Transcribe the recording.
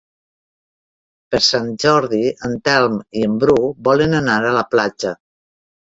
Per Sant Jordi en Telm i en Bru volen anar a la platja.